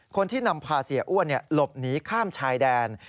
คนที่นำพาเสียอ้วนหลบหนีข้ามชายแดน